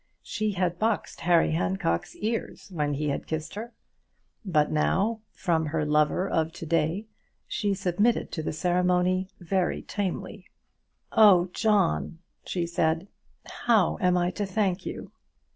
She had boxed Harry Handcock's ears when he had kissed her; but now, from her lover of to day, she submitted to the ceremony very tamely. "Oh, John," she said, "how am I to thank you?"